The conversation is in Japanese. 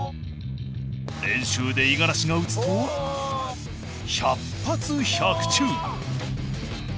練習で五十嵐が打つと百発百中。